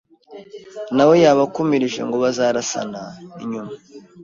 nawe yabakumirije ngo bazarasana nyuma